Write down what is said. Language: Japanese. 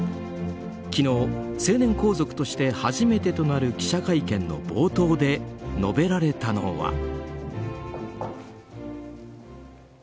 昨日、成年皇族として初めてとなる記者会見の冒頭で述べられたのは。